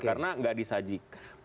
karena tidak disajikan